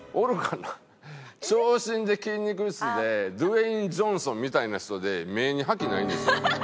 長身で筋肉質でドウェイン・ジョンソンみたいな人で目に覇気ないんですよ。